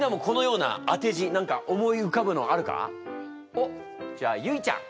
おっじゃあゆいちゃん。